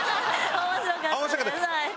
はい。